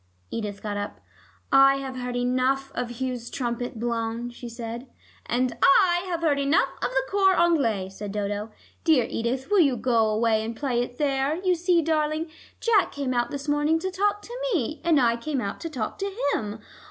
Edith got up. "I have heard enough of Hugh's trumpet blown," she said. "And I have heard enough of the cor anglais," said Dodo. "Dear Edith, will you go away and play it there? You see, darling, Jack came out this morning to talk to me, and I came out to talk to him.